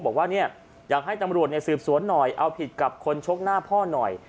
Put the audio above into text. บอกว่าเนี่ยอยากให้ตำรวจสืบสวนหน่อยเอาผิดกับคนชกหน้าพ่อหน่อย